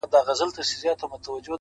• بيا خپه يم مرور دي اموخته کړم؛